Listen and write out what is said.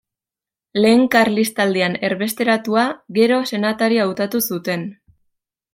Lehen Karlistaldian erbesteratua, gero senatari hautatu zuten.